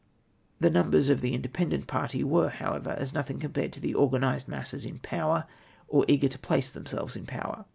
The numbers of the independent party were, however, as nothuig com pared to the organised masses in power, or eager to place themselves in power.